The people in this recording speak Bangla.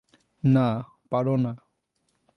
না, পার না।